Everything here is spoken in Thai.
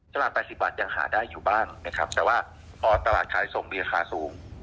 ตลาด๘๐บาทยังหาได้อยู่บ้างนะครับแต่ว่าพอตลาดขายส่งมีราคาสูง